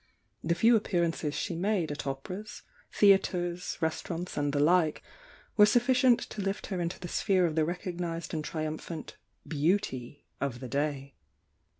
The few appearances she made at operas, theatres, restaurants and the like were suf ficient to lift her into the sphere of the recognised and triumphant "beauty" of the day.